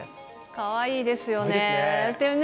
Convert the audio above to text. かわいいですよね。